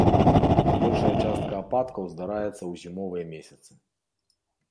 Большая частка ападкаў здараецца ў зімовыя месяцы.